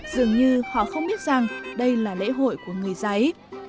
dường như họ không biết rằng đây là lễ hội của người giấy